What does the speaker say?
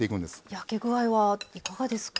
焼け具合はいかがですか？